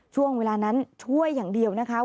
ช่วงเวลานั้นช่วยอย่างเดียวนะคะ